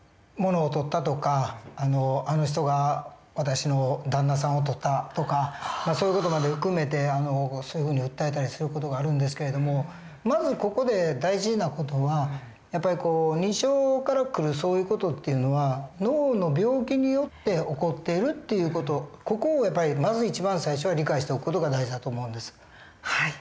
物をとったとかあの人が私の旦那さんをとったとかそういう事まで含めてそういうふうに訴えたりする事があるんですけれどもまずここで大事な事はやっぱり日常から来るそういう事っていうのは脳の病気によって起こっているという事ここをやっぱりまず一番最初は理解しておく事が大事だと思うんです。